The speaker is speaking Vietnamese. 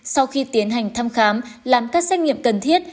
sau khi tiến hành thăm khám làm các xét nghiệm cần thiết